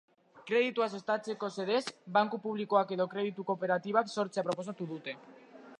Kreditua sustatzeko xedez, banku publikoak edo kreditu kooperatibak sortzea proposatu dute.